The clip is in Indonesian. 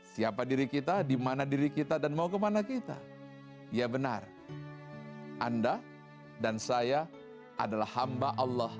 siapa diri kita dimana diri kita dan mau kemana kita ya benar anda dan saya adalah hamba allah